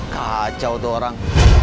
kacau tuh orang